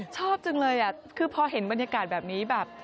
ชอบจังเลยคือพอเห็นบรรยากาศแบบนี้แบบ